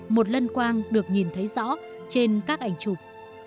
một lân quang được nhìn thấy rõ trên các ảnh chụp